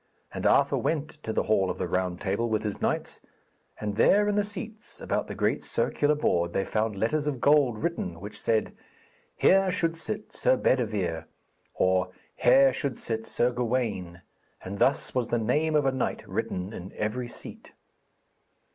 And Arthur went to the hall of the Round Table with his knights, and there in the seats about the great circular board they found letters of gold written, which said, 'Here should sit Sir Bedevere,' or 'Here should sit Sir Gawaine,' and thus was the name of a knight written in every seat.